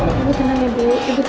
ibu tenang ya ibu